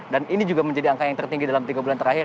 dan ini juga menjadi angka yang tertinggi dalam tiga bulan terakhir